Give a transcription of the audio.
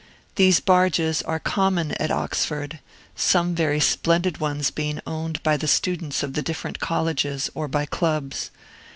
These barges are common at Oxford, some very splendid ones being owned by the students of the different colleges, or by clubs.